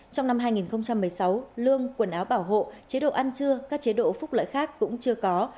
trong năm hai nghìn một mươi sáu lương quần áo bảo hộ chế độ ăn trưa các chế độ phúc lợi khác cũng chưa có